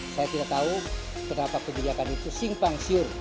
saya tidak tahu kenapa kebijakan itu simpang siur